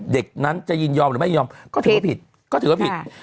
เด็กนั้นจะยินยอมหรือไม่ยอมก็ถือว่าผิด